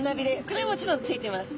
これはもちろんついてます。